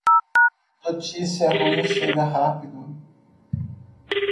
Notícia ruim chega rápido.